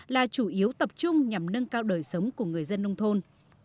là chủ yếu tập trung nhằm nâng cao đời sống của người dân nông thôn